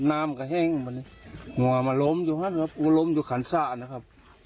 น้ำขั้้าแห้งมามาลมอยู่ขันซ่านะครับ